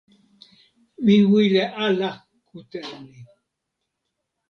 mi wile ala kute e ni.